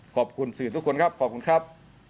ขอบคุณสื่อทุกคนครับขอบคุณครับ